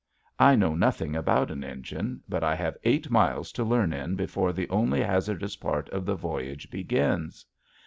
I know nothing about an engine but I have eight miles to learn in before the only hazardous part of the voyage begins.